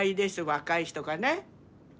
若い人がね。